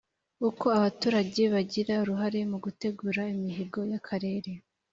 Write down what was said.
ii uko abaturage bagira uruhare mu gutegura imihigo y akarere